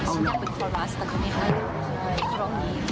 ฉันอยากเป็นโฟราสต์แต่เขาเป็นคนร้องนี้